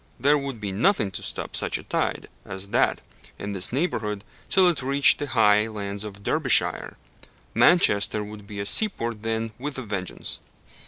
There would be nothing to stop such a tide as that in this neighbourhood till it reached the high lands of Derbyshire. Manchester would be a seaport then with a vengeance!